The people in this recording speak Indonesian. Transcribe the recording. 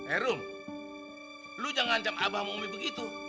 eh rung lo jangan ngancam abah sama umi begitu